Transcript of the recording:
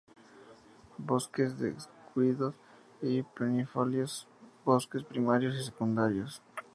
Bosques deciduos a perennifolios, bosques primarios y secundarios.